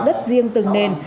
đất riêng từng nền